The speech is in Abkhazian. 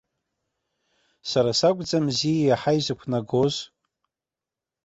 Сара сакәӡамзи иаҳа изықәнагоз!